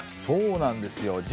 そうなんですよ。